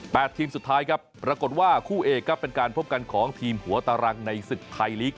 ทีมสุดท้ายครับปรากฏว่าคู่เอกครับเป็นการพบกันของทีมหัวตารังในศึกไทยลีก